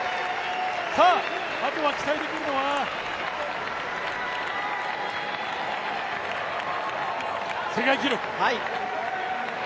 さぁ、あとは期待できるのは世界記録！